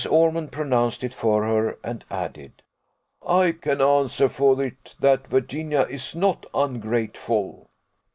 Ormond pronounced it for her; and added, "I can answer for it, that Virginia is not ungrateful."